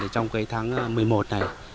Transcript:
trong cái tháng một mươi một này